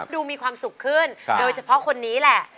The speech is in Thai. มีความสุขขึ้นโดยเฉพาะคนนี้แหละ